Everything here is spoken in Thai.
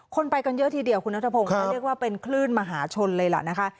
คนไปกันเยอะทีเดียวคุณนัทพงศ์เขาเรียกว่าเป็นคลื่นมหาชนเลยล่ะนะคะ